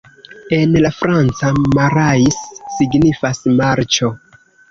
En la franca, "Marais" signifas "marĉo".